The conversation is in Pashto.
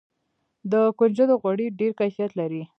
د کنجدو غوړي ډیر کیفیت لري.